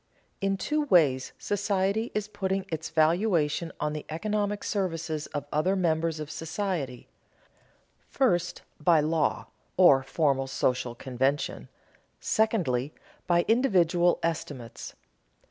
_ In two ways society is putting its valuation on the economic services of other members of society: first, by law, or formal social convention; secondly, by individual estimates.